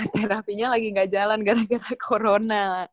terapinya lagi gak jalan gara gara corona